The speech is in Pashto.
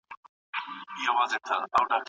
پوهېږم تږی یې